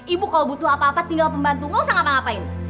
ibu kalau butuh apa apa tinggal pembantu gak usah ngapa ngapain